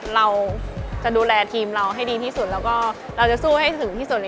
เราจะดูแลทีมเราให้ดีที่สุดแล้วก็เราจะสู้ให้ถึงที่สุด